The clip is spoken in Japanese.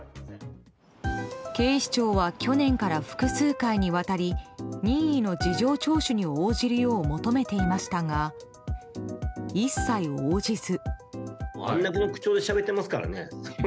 警視庁は去年から複数回にわたり任意の事情聴取に応じるよう求めていましたが一切応じず。